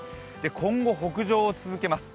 今後北上を続けます。